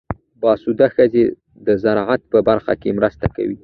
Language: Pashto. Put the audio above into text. باسواده ښځې د زراعت په برخه کې مرسته کوي.